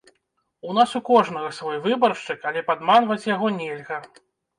У нас у кожнага свой выбаршчык, але падманваць яго нельга.